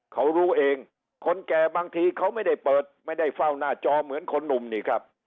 เขารู้เองคนแก่บางทีเขาไม่ได้เปิดไม่ได้เฝ้าหน้าจอเหมือนคนหนุ่มนี่ครับ